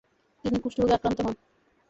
তিনি কুষ্ঠ রোগে আক্রান্ত হন।